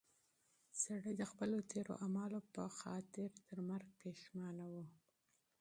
سړی د خپلو تېرو اعمالو په خاطر تر مرګ پښېمانه و.